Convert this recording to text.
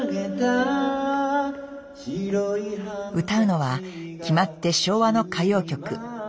歌うのは決まって昭和の歌謡曲。